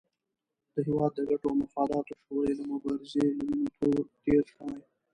د هېواد د ګټو او مفاداتو شعور یې د مبارزې له وینو تېر شوی.